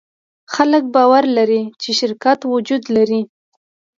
خلک باور لري، چې شرکت وجود لري.